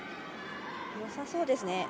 よさそうですね。